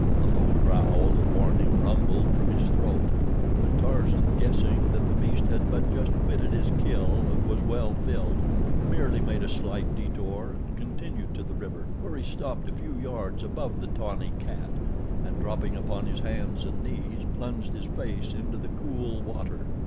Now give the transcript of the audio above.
A low growl of warning rumbled from his throat; but Tarzan, guessing that the beast had but just quitted his kill and was well filled, merely made a slight detour and continued to the river, where he stopped a few yards above the tawny cat, and dropping upon his hands and knees plunged his face into the cool water.